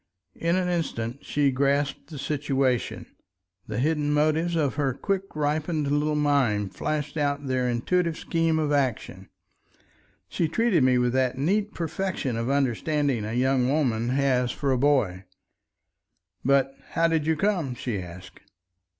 In an instant she grasped the situation. The hidden motives of her quick ripened little mind flashed out their intuitive scheme of action. She treated me with that neat perfection of understanding a young woman has for a boy. "But how did you come?" she asked.